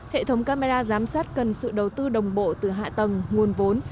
hệ thống camera giám sát cần sự đầu tư đồng bộ từ hạ tầng nguồn vốn